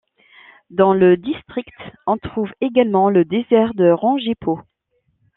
Dans le district on trouve également le désert de Rangipo.